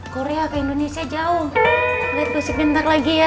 korea ke indonesia jauh liat gosip nyentak lagi ya